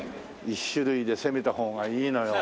１種類で攻めた方がいいのよ。